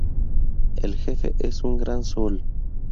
El jefe es un gran sol.